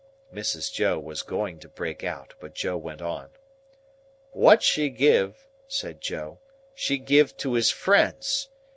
Mrs. Joe was going to break out, but Joe went on. "What she giv'," said Joe, "she giv' to his friends.